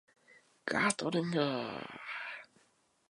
However, the concept of tourism was not always a well-established industry.